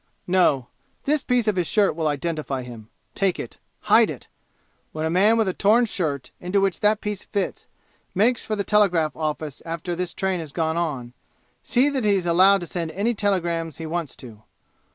"No. This piece of his shirt will identify him. Take it. Hide it! When a man with a torn shirt, into which that piece fits, makes for the telegraph office after this train has gone on, see that he is allowed to send any telegrams he wants to!